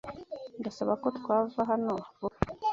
Ndasaba ko twava hano vuba bishoboka.